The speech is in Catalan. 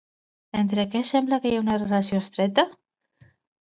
Entre què sembla que hi ha una relació estreta?